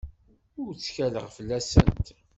Ur ttkaleɣ fell-asent.